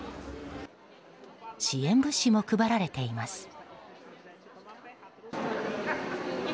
支援物資も配られています。